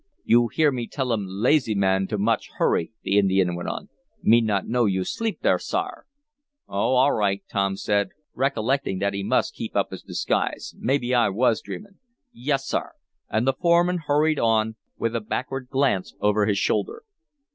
"You hear me tell um lazy man to much hurry," the Indian went on. "Me not know you sleep there, sar!" "Oh, all right," Tom said, recollecting that he must keep up his disguise. "Maybe I was dreaming." "Yes, sar," and the foreman hurried on, with a backward glance over his shoulder.